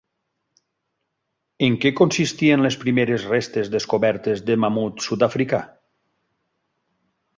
En què consistien les primeres restes descobertes de mamut sud-africà?